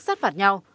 sát phạt nhà